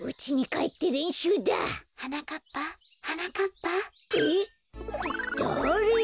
えっ？だれ？